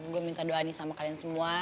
gue minta doa nih sama kalian semua